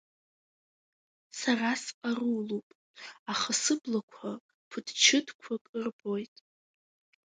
Сара сҟарулуп, аха сыблақәагьы ԥыҭчыҭқәак рбоит…